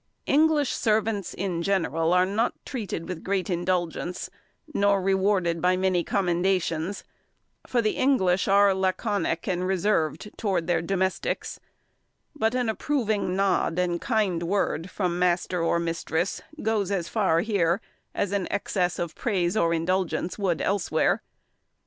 English servants, in general, are not treated with great indulgence, nor rewarded by many commendations; for the English are laconic and reserved towards their domestics; but an approving nod and kind word from master or mistress, goes as far here, as an excess of praise or indulgence elsewhere.